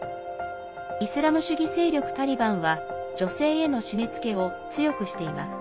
イスラム主義勢力タリバンは女性への締めつけを強くしています。